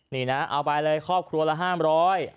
นี่นะเอาไปเลยครอบครัวละห้ามร้อย